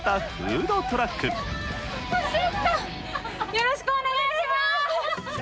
よろしくお願いします！